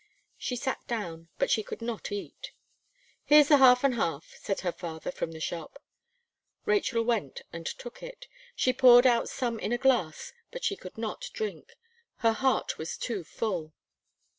She sat down, but she could not eat. "Here's the half and half," said her father from the shop. Rachel went and took it; she poured out some in a glass, but she could not drink; her heart was too full.